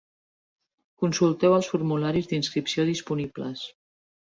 Consulteu els formularis d'inscripció disponibles.